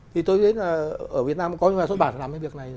thì tôi biết là ở việt nam có những nhà xuất bản làm cái việc này